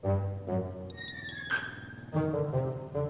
selamat datang irwan